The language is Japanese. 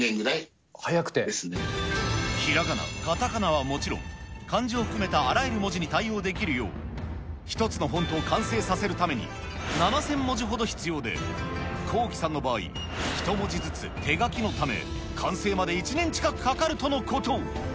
ひらがな、かたかなはもちろん、漢字を含めたあらゆる文字に対応できるよう、１つのフォントを完成させるために、７０００文字ほど必要で、綱紀さんの場合、１文字ずつ手書きのため、完成まで１年近くかかるとのこと。